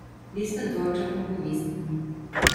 Liste deutscher Komponisten